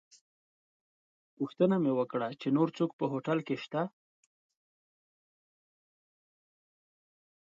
پوښتنه مې وکړه چې نور څوک په هوټل کې شته.